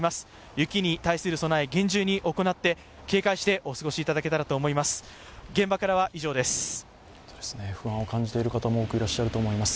雪に対する備え、厳重に行って警戒してお過ごしいただけたらと思います。